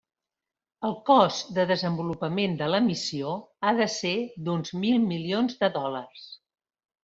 El cost de desenvolupament de la missió ha de ser d'uns mil milions de dòlars.